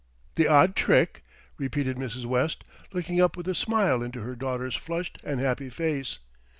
"The odd trick!" repeated Mrs. West, looking up with a smile into her daughter's flushed and happy face.